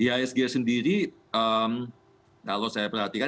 ihsg sendiri kalau saya perhatikan